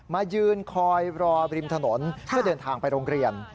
มายืนคอยรอริมถนนเพื่อเดินทางไปโรงเรียน